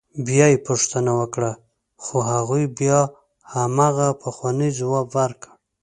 بیا یې پوښتنه وکړه خو هغوی بیا همغه پخوانی ځواب ورکړ.